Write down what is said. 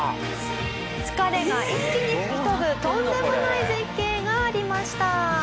「疲れが一気に吹き飛ぶとんでもない絶景がありました」